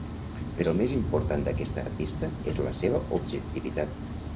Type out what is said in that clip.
Però el més important d'aquest artista és la seva objectivitat.